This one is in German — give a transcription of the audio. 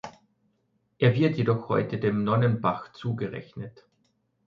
Er wird jedoch heute dem Nonnenbach zugerechnet.